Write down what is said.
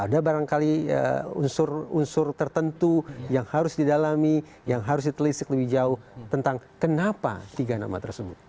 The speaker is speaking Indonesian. ada barangkali unsur unsur tertentu yang harus didalami yang harus ditelisik lebih jauh tentang kenapa tiga nama tersebut